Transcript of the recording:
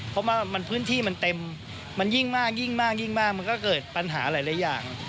เพราะว่ามันพื้นที่มันเต็มมันยิ่งมากยิ่งมากยิ่งมากมันก็เกิดปัญหาหลายอย่าง